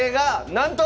なんと！